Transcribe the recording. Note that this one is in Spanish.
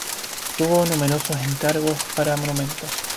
Tuvo numerosos encargos para monumentos.